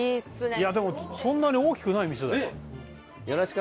いやでもそんなに大きくない店だよ。